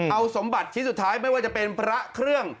เอาสมบัติชิ้นสุดท้ายไม่ว่าจะเป็นพระเครื่อง